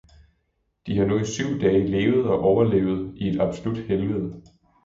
De har nu i syv dage levet og overlevet i et absolut helvede.